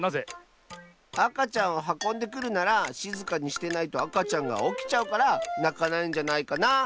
あかちゃんをはこんでくるならしずかにしてないとあかちゃんがおきちゃうからなかないんじゃないかな。